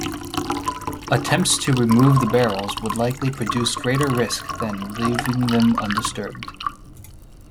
Attempts to remove the barrels would likely produce greater risk than leaving them undisturbed.